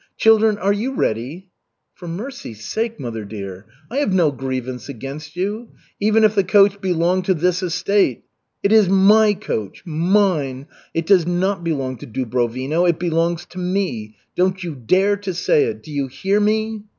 Children, are you ready?" "For mercy's sake, mother dear! I have no grievance against you. Even if the coach belonged to this estate " "It is my coach mine! It does not belong to Dubrovino, it belongs to me! Don't you dare to say it do you hear me?"